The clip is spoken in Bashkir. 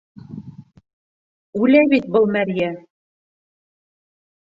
Үлә бит был мәрйә!